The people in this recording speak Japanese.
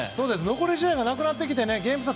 残り試合がなくなってきてゲーム差